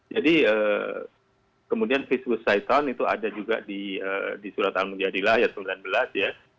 jadi kemudian fiswus syaitan itu ada juga di surat al mujadilah ayat sembilan belas